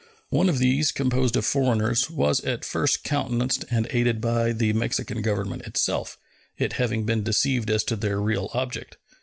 One of these, composed of foreigners, was at first countenanced and aided by the Mexican Government itself, it having been deceived as to their real object.